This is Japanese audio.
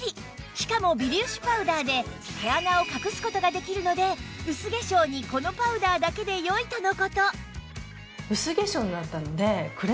しかも微粒子パウダーで毛穴を隠す事ができるので薄化粧にこのパウダーだけでよいとの事